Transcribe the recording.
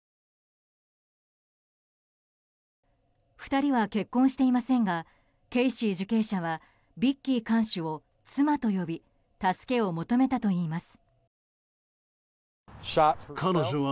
２人は結婚していませんがケイシー受刑者はビッキー看守を妻と呼び助けを求めたといいます。